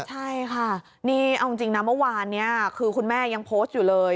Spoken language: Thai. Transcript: ใช่ค่ะนี่เอาจริงนะเมื่อวานนี้คือคุณแม่ยังโพสต์อยู่เลย